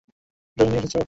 Drawing নিয়ে এসেছো?